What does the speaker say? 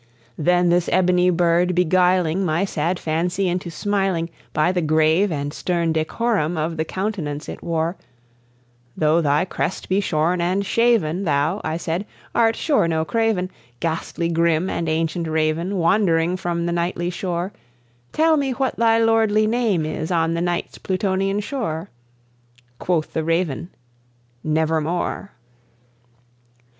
Then this ebony bird beguiling my sad fancy into smiling, By the grave and stern decorum of the countenance it wore; "Though thy crest be shorn and shaven, thou," I said, "art sure, no craven; Ghastly, grim, and ancient Raven, wandering from the nightly shore, Tell me what thy lordly name is on the night's Plutonian shore?" Quoth the Raven, "Nevermore."